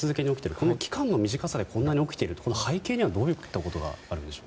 この期間の短さでこんなに起きている背景にはどういったことがあるんでしょうか。